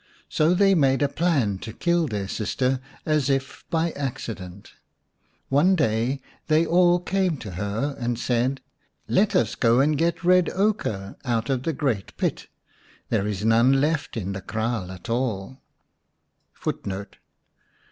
So they made a plan to kill their sister as if by accident. One day they all came to her and said, " Let us go and get red ochre * out of the great pit ; there is none left in the kraal at all."